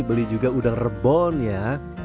beli juga udang rebon ya